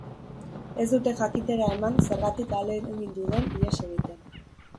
Ez dute jakitera eman zergatik ahalegindu den ihes egiten.